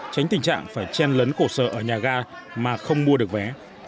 chen lấn cổ sở ở nhà ga mà không mua được vé